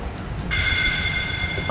aku udah bilang sama reina